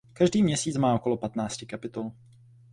Každý měsíc má okolo patnácti kapitol.